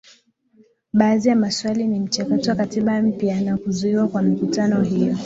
Baadhi ya maswali ni mchakato wa Katiba Mpya na kuzuiwa kwa mikutano hiyo